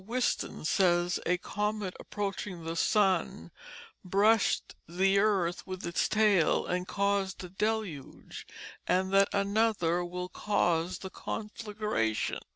Whiston says a comet approaching the sun brushed the earth with its tail and caused the deluge, and that another will cause the conflagration."